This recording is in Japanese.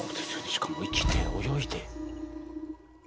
しかも生きて泳いで。